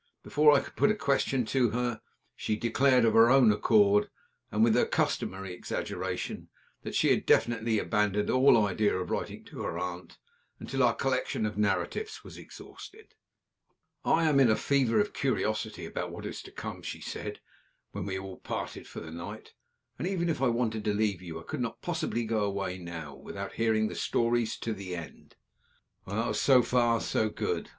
Before I could put the question to her, she declared of her own accord, and with her customary exaggeration, that she had definitely abandoned all idea of writing to her aunt until our collection of narratives was exhausted. "I am in a fever of curiosity about what is to come," she said, when we all parted for the night; "and, even if I wanted to leave you, I could not possibly go away now, without hearing the stories to the end." So far, so good.